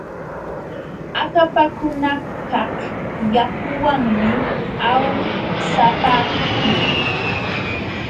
Akapakunakaq yakuwanmi awsapaaku.